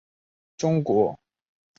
中国史料称他作释利因陀盘。